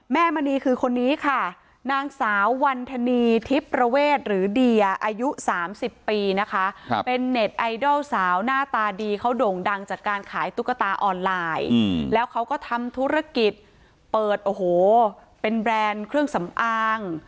มณีคือคนนี้ค่ะนางสาววันธนีทิพย์ประเวทหรือเดียอายุ๓๐ปีนะคะเป็นเน็ตไอดอลสาวหน้าตาดีเขาโด่งดังจากการขายตุ๊กตาออนไลน์แล้วเขาก็ทำธุรกิจเปิดโอ้โหเป็นแบรนด์เครื่องสำอาง